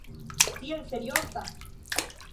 Tiel serioza!